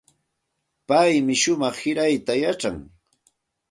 Paymi shumaq sirayta yachan.